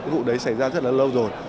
vụ đấy xảy ra rất là lâu rồi